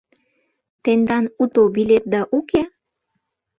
— Тендан уто билетда уке?